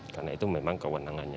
karena itu memang kewenangannya